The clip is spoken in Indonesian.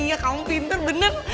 iya kamu pinter bener